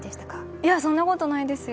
いや、そんなことないですよ。